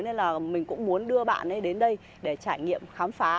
nên là mình cũng muốn đưa bạn ấy đến đây để trải nghiệm khám phá